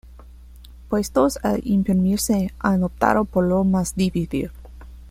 Puestos a imprimirse, han optado por lo más difícil.